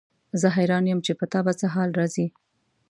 زه حیران یم چې په تا به څه حال راځي.